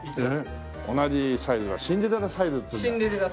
同じサイズはシンデレラサイズって言うんだ。